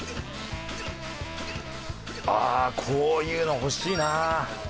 ああこういうの欲しいな。